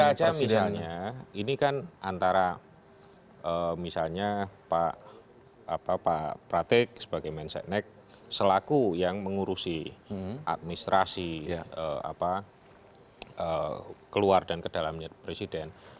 ya misalnya ini kan antara misalnya pak pratik sebagai menseknek selaku yang mengurusi administrasi keluar dan ke dalamnya presiden